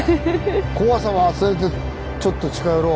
怖さも忘れてちょっと近寄ろう。